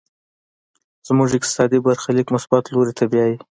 زموږ اقتصادي برخليک مثبت لوري ته بيايي.